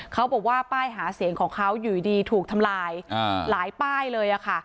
เขาบอกว่าป้ายหาเสียงของเขาอยู่ดีถูกทำลายหลายป้ายเลยค่ะ